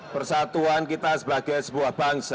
persatuan kita sebagai sebuah bangsa